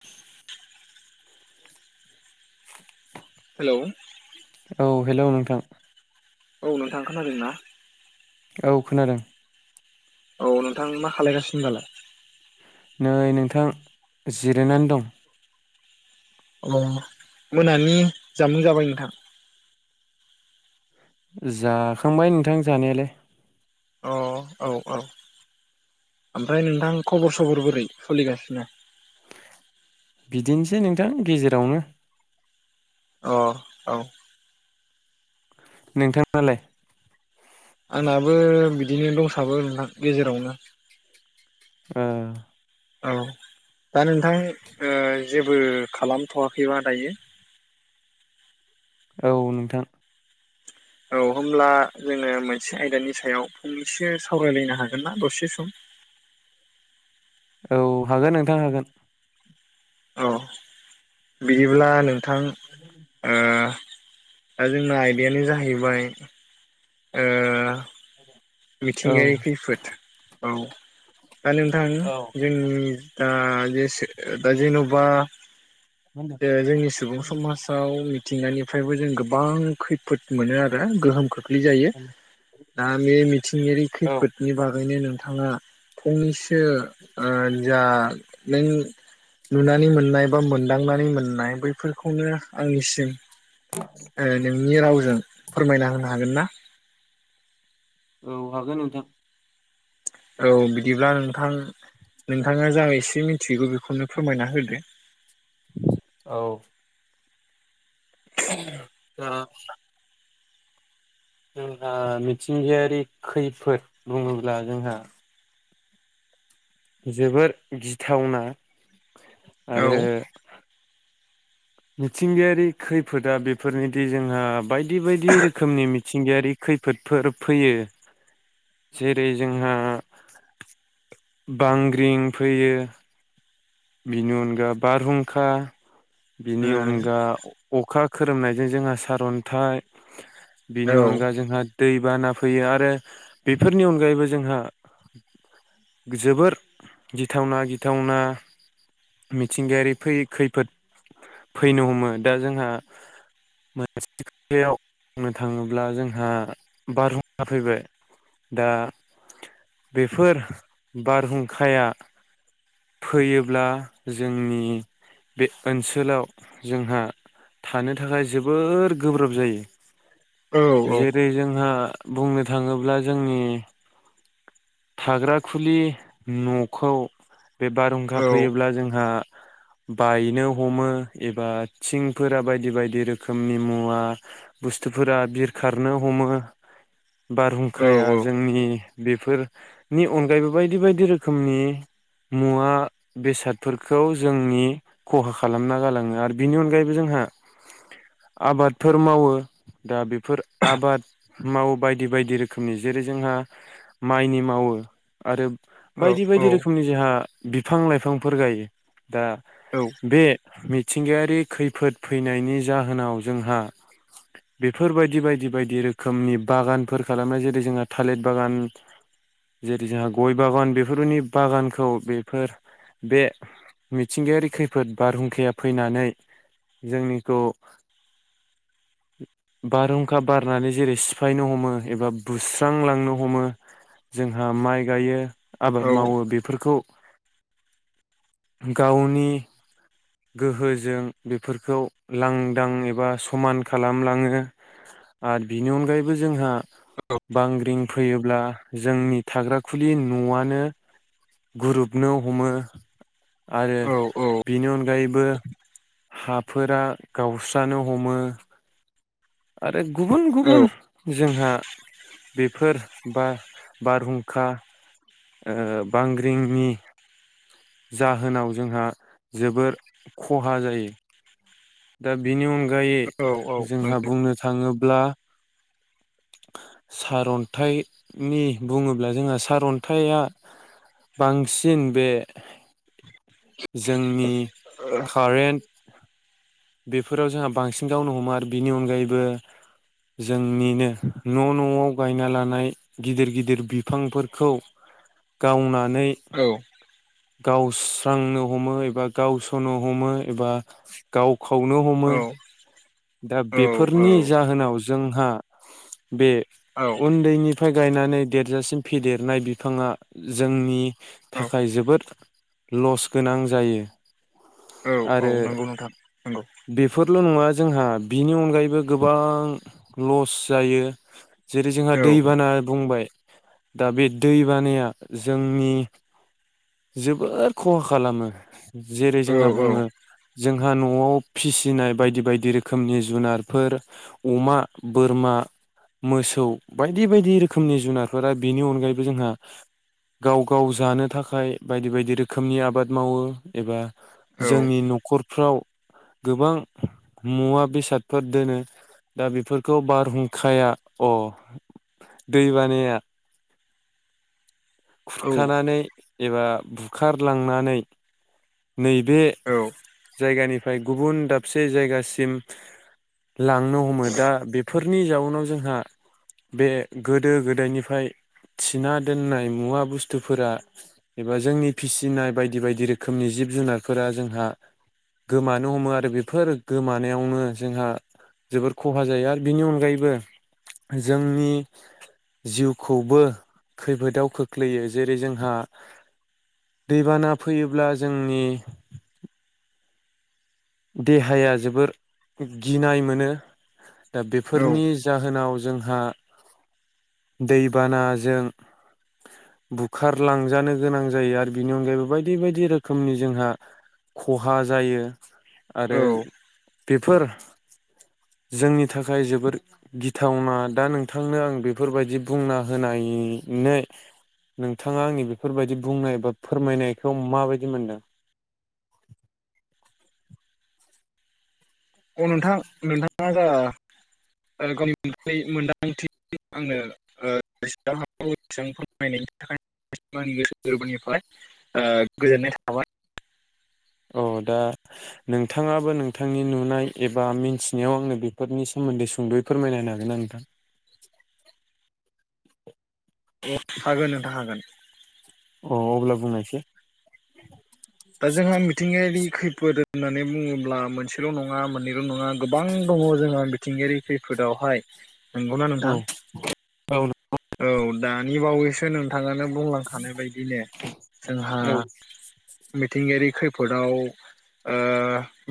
[unintelligible] Hello औ hello नोंथां औ नों थां खोनादों ना औ खोनादों औ नोंथां मा खाायगासिनो होनबालाय नै नोंथां जिरायनानै दं अ मोनानि जामुं जाबाय नोंथां जाखांबाय नोंथां जानायालाय अ औ औ ओमफ्राय नोंथां खबर सबर बोरै सोलिगासिनो बिदिनोसै नोंथां गेजेरावनो अ औ नोंथाङालाय आंनाबो बिदिनो दंसाबो नोंथां गेजेरावनो ओ औ दा नोंथां जेबो खालामथ'वाखैबा दायो औ नोंथां औ होमब्ला जोङो मोनसे आयदानि सायाव फंनैसो सावरायलायनो हागोननाा दसे सम औ हागोन नोंथां हागोन अ बिदिब्ला नों [unintelligible] ओ दा जोंना आयदायानो जाहैबाय [unintelligible] ओ [unintelligible] औ मिथिंगायारि खैफोद औ दा नोंथां औ मा जोंनि होनदों दा [unintelligible] दा जेन'बा, मा दे जोंनि सुबुं समाजाव मिथिंगानिफ्रायबो जों गोबां खैफोद मोनो आरो गोहोमखो, बुग्लि जायो। होनदों [unintelligible] मिथिंयारि औ खैफोदनि बागैनो नों। नोंथाङा। फंनैसो ओ जा। नों नुनानै मोननाय बा मोन। दांनानै मोननाय बैफोरखौनो आंनिसिम। ओ नोंनि राव फोरमायना होनो हागोन ना? औ हागोन नोंथां। औ बिदिब्ला नोंथां नोंथाङा जा एसे मिथिगौ बेखौनो फोरमायना होदो। औ। [unintelligible] जोंहा मिथिंगायारि खैफोद बुङोब्ला जोंहा। जोबोर गिथावना। औ आरो। मिथिंगायारि खैफोदा बेफोरनिदि जोंहा बायदि बायदि रोखोमनि मिथिंगायारि खैफोदफोर फैयो जेरै जोंहा बांग्रिं फैयो। बेनिनो अनगा बारहुंखा। औ बिनि अनगा। अखा खोरोमनायजों जोंहा सार अन्थाइ। बेनि अनगा जोंहा। दै बाना फैयो आरो बेफोरनि अनगायैबो जोंहा जोबोर गिथावना गिथावना। मिथिंगायारि फै खैफोद फैनो हमो दा जोंहा मोनसे खोथायाव बुंनो थाङोब्ला जोंहा बारहुंखा फैबाय दा बेफोर बारहुंखाया फैयो। ब्ला जोंनि बे ओनसोलाव जोंहा थानो थाखाय जोबोर गोब्राब जायो। जेरै जोंहा। बुंनो थाङोब्ला जोंनि थाग्रााखुलि न'खौ बे बारहुंखा। फैयोब्ला जोंहा बायनो हमो एबा थिंफोरा बायदि बायदि रोखोमनि मुवा बुस्थुफोरा बिरखारनो हमो। बारहुंखाया जोंनि। बेफोरनि अनगायैबो बायदि बायदि रोखोमनि मुवा। बेसादफोरखौ जोंनि खहा खालामना गालाङो आरो बिनि अनगायैबो जोंहा आबादफोर मावो दा बेफोर आबाद मावो बायदि बायदि रोखोमनि जेरै जोंहा माइनि मावो आरो। बायदि बायदि रोखोमनि जोंहा बिफां लाइफांफोर गायो। ओ बे मि। मिथिंगायारि खैफोद फैनायनि जाहोनाव जोंहा बेफोरबायदि बायदि बायदि रोखोमनि बागानफोर खालामनाय जेरै जोंहा थालिर बागान जेरै जोंहा गय बागान बेफोरनि बागानखौ बेफोर। बे मिथिंगायारि खैफोद बारहुंखाया फैनानै जोंनिखौ बारहुंखा बारनानै जेरै सिफायनो हमो एबा बुस्रांलांनो हमो जोंहा माइ गायो। आबाद मावो बेफोरखौ। गावनि गोहोजों बेफोरखौ लांदां एबा समान खालामलाङो आरो बिनि अनगायैबो जोंहा बांग्रिं फैयोब्ला जोंनि थाग्रााखुलि न'आनो गुरुबनो हमो आरो बेनि अनग जायबो हाफोरा गावस्रानो हमो गुबुन गुबुन जोंहा बेफोर बा बारहुंखा बांग्रिंनि जाहोनाव जोंहा जोबोर खहा जायो दा बिनि अन अनगायै जोंहा बुंनो थाङो ब्ला सारन्थाइनि बुङोब्ला जोंहा सारन्थाइया बांसिन बे जोंनि कारेन्ट बेफोराव जोंहा बांसिन गावनो हमो आरो बिनि अनगायैबो जोंनिनो न' न'आव गायना लानाय गिदिर गिदिर बिफांफोरखौ गावना नै गावस्रांनो हमो एबा गावसनो हमो एबा गाव खावनो हमो दा बेफोरनि जाहोनाव जोंहा बे उन्दैनि बिफाय गायनानै देरजासिम फेदेरनाय बिफाङा जोंनि थाखाय जोबोद लस गोनां जायो आरो औ नंगौ नोंथां नंगौ बेफोरल' नङा जोंहा बिनि अनगायैबो गोबां लस जायो जेरै जोंहा औ दैबाना बुंबाय दा बे दैबानाया जोंनि जोबोर खहा खालामो जेरै औ जोंहा बुङो जोंहा न'आव फिसिनाय बायदि बायदि रोखोमनि जुनारफोर अमा बोरमा मोसौ बायदि बायदि रोखोमनि जुनारफोरा बेनि अनगायैबो जोंहा गाव गाव जानो थाखाय बायदि बायदि रोखोमनि आबाद मावो एबा औ जोंनि न'खर फ्राव गोबां मुवा बेसादफोर दोनो दा बेफोरखौ बारहुंखाया अ दै बानाया खुरखानानै एबा बुखारलांनानै नैबे जायगानिफ्राय गुबुन दाबसे जायगासिम लांनो हमो दा बेफोरनि जाउनाव जोंहा बे गोदो गोदायनिफ्राय थिना दोननाय मुवा बुस्थुफोरा एबा जोंनि फिसिनाय बायदि बायदि रोखोम रोखोमनि जिब जुनारफोरा जोंहा गोमानो हमो आरो बेफोर गोमानायावनो जोंहा जोबोर खहा जायो आरो बिनि अनगायैबो जोंनि जिउखौबो खैफोदाव खोख्लैयो जेरै जोंहा दैबाना फैयोब्ला जोंनि देहाया जोबोर गिनाय मोनो दा बेफोरनि जाहोनाव जों जोंहा दैबानाजों बुखारलांजानो गोनां जायो आरो बिनि अनगायैबो बायदि बायदि रोखोमनि जोंहा खहा जायो आरो बेफोर जोंनि थाखाय जोबोर गिथावना दा नोंथांनो आं बेफोरबायदि बुंना होनायनो नोंथाङा आंनि बेफोरबायदि बुंनाय बा फोरमायनायखौ माबायदि मोनदों। अ नोंथां नोंथां। माबा गावनि मोन्दांथि आंनो ओ फोरमायनायनि थाखाय आंनि गोसो गोरबोनिफ्राय ओ गोजोननाय थाबाय। औ दा नोंथाङाबो नोंथांनि नुनाय एबा मिथिनायाव आंनो बेफोरनि सोमोन्दै सुंद'यै फोरमायनायनो हागोनना नोंथां? अ हागोन नोंथां हागोन। अ अब्ला बुंनायसाय दा जोंहा मिथिंगायारि खै खैफोद होननानै बुङोब्ला मोनसेल' नङा मोननैल' नङा गोबां दङ जोंहा मिथिंगायारि खैफोदावहाय नंगौना औ नोंथां औ औ दानि बावैसो नोंथाङानो बुंलांखानाय बायदिनो जोंहा औ मिथिंगायारि खैफोदाव ओ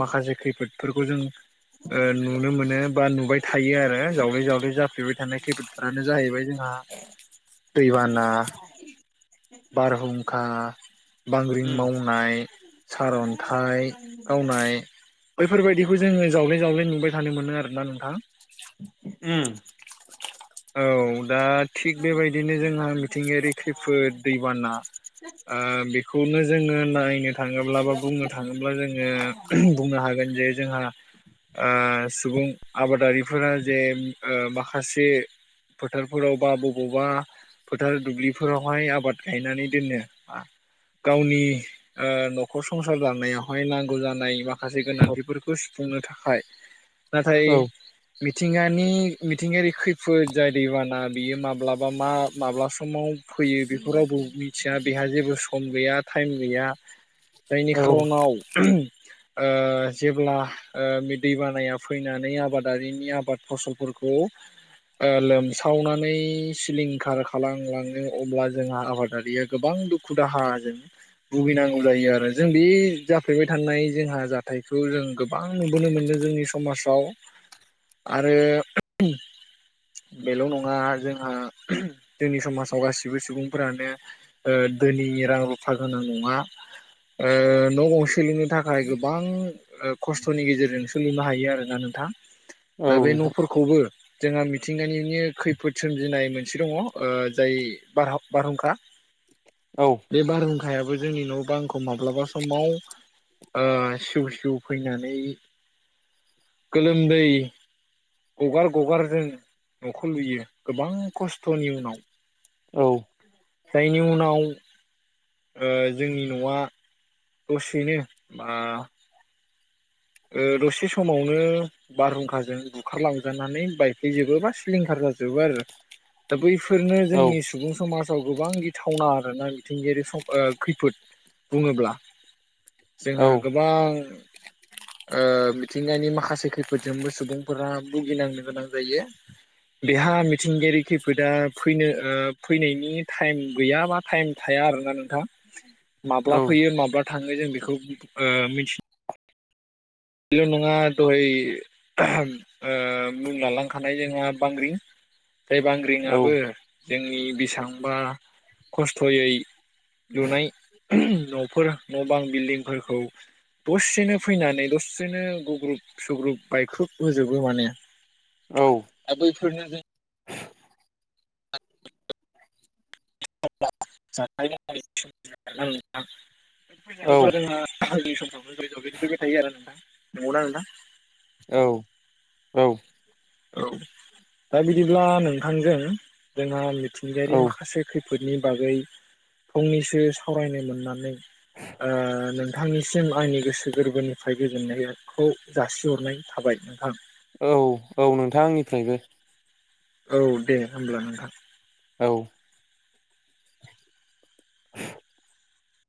माखासे खैफोदफोरखौ जों ओ नुनो मोनो बा नुबाय थायो आरो जावले जावले जाफेबाय थानाय खैफोदफोरानो जाहैबाय जोंहा दैबाना बारहुंखा बांग्रिं उम मावनाय सार अन्थाइ गावनाय बैफोरबायदिखौ जोङो जावले जावल्ले नुबाय थानो मोनो आरोना नोंथां। उम औ दा थिग बेबायदिनो जोंहा मिथिंगायारि खैफोद बेखौनो जोङो नायनो थाङोब्ला बा बुंनो थाङोब्ला जोङो बुंनो हागोन जे जोंहा ओ सुबुं आबादारिफोरा जे ओ माखासे फोथारफोराव बा बबावबा फोथार दुब्लिफोरावहाय आबाद गायनानै दोनो गावनि ओ न'खर संसार जानायावहाय नांगौ जानाय बा माखासे औ गोनांथि फोरखौ बुंनो थाखाय नाथाय मिथिंगानि मिथिंगायारि खैफोद जाय दैबाना बियो माब्लाबा मा माब्ला समाव फैयो बे मिथिया बेहा जेबो सम गैया खा थाइम गैया जायनि औ खार'नाव ओ जेब्ला ओ बे दै बानाया फैनानै आबादारिनि आबाद फसलफोरखौ लोमसावनानै सिलिंखार खालामलाङो अब्ला जोंहा आबादारिया गोबां दुखु दाहाजों भुगिनांगौ जायो आरो जों बे जाफेरबाय थानाय जोंहा जाथायखौ जों गोबां नुबोनो मोनदों जोंनि समाजाव आरो बेल' नङा जोंहा जोंनि समाजाव गासिबो सुबुं रां रुफा गोनां नङा ओ न'गंसे लुनो थाखाय गोबां खस्थ'नि गेजेरजों सोलिनो हायो। गैया आरोना नोंथां। औ दा बे नोंथां न'फोरखौबो जोंहा मिथिंगानिनो खैफोद सोमजिनाय मोनसे दंङ जाय बारहाव बारहुंखा औ बे बार बारयाबो जोंनि न' बांखौ माब्लाबा समाव सिउ सिउ फैनानै गोलोमदै गगार गगार जों न'खौ लुयो गोबां खस्थ'नि उनाव। औ जायनि उनाव ओ जोंनि न'आ दसेनो बा ओ दसे समावनो बारहुंखाजों बुखारलांजानानै बायफैजोबो बा सिलिंखार जाजोबो आरो दा बैफोर फोरनो औ जोंनि सुबुं समाज। गोबां गिथावना आरोना मिथिंगायारि खैफोद बुंङोब्ला। औ जोंहा गोबां। मिथिंगानि माखासे खैफोदजोंबो सुबुंफोरा भुगिनांनो गोनां जायो बेहा मिथिंगायारि खैफोदा फैनो फैनायनि टाइम गैयाबा टाइम थाया आरोना नोंथां। माब्ला औ फैयो माब्ला। थांङो जों बेखौ ओ मिथि बेल' नंङा दहाय मुंलांलांखानाय जोंहा बांग्रि। जाय बांग्रिआबो। जोंनि बेसेबांबा खस्थ'यै लुनाय न'फोर न' बां। बिलदिंफोरखौ दसेनो फैनानै दसे बिदिनो गुग्रुब सुग्रुब बायख्रब होजोबो माने। आरो बैफोरनो [unintelligible] [unintelligible] [unintelligible] नंगौना नोंथां। औ औ। औ दा बिदिब्ला नोंथांजों जोंहा। मिथिंगायारि माखासे खै बागै फंनैसो सावरायनो मोननानै ओ नोंथांनिसिम आंनि गोसो गोरबोनिफ्राय गोजोननाय। खौ जासिहरनाय थाबाय नोंथां। औ औ नोंथां आंनिफ्रायबो। औ दे होमब्ला नोंथां। औ।